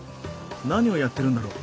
何をやってるんだろう？